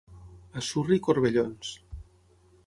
A Surri, corbellons.